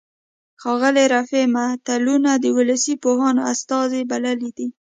ښاغلي رفیع متلونه د ولسي پوهانو استازي بللي دي